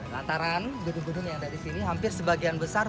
lantaran gedung gedung yang ada di sini hampir sebagian besar